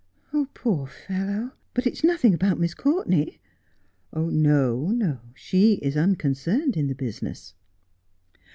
' Poor fellow ! But it is nothing about Miss Courtenay 1 '' No, she is unconcerned in the business.'